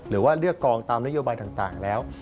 หรือว่าเลือกกองตามนโยบายต่างแล้ว